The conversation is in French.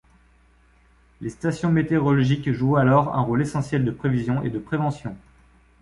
Les stations météorologiques jouent alors un rôle essentiel de prévision et de prévention.